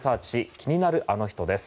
気になるアノ人です。